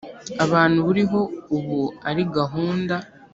abantu buriho ubu ari gahunda